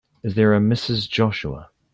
Is there a Mrs. Joshua?